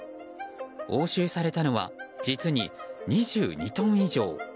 押収されたのは実に２２トン以上。